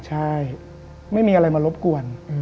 ใช่ไม่มีอะไรมารบกวน